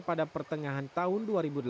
pada pertengahan tahun dua ribu delapan belas